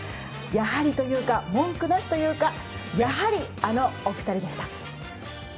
やはりというか文句なしというかやはりあのお二人でした。